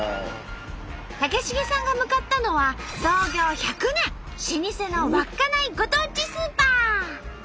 武重さんが向かったのは創業１００年老舗の稚内ご当地スーパー。